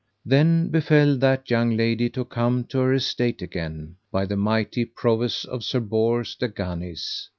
Then befell that young lady to come to her estate again, by the mighty prowess of Sir Bors de Ganis.